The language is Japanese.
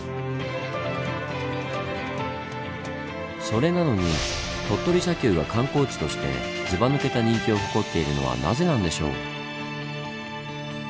それなのに鳥取砂丘が観光地としてずばぬけた人気を誇っているのはなぜなんでしょう？